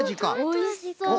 おいしそう。